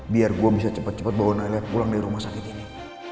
biar gua bisa cepet cepet bawa nailah pulang dari rumah sakit ini